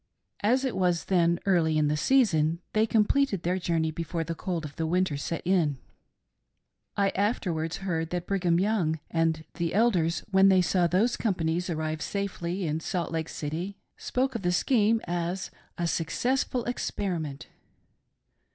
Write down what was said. As it was then early in the season they completed their journey before the cold of winter set in. I afterwards heard that Brigham YOung and the Eld ers, when they saw those companies arrive safely in Salt Lake City, spoke of the scheme as a successful experiment.